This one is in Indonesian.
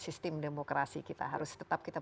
sistem demokrasi kita harus tetap kita